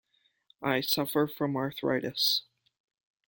I suffer from arthritis.